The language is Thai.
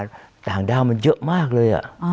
กฎ่างมันเยอะมากเลย